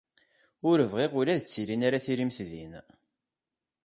Ur bɣiɣ ula d tilin ara tilimt din.